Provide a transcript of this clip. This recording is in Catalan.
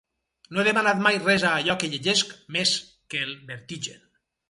No he demanat mai res a allò que llegesc més que el vertigen.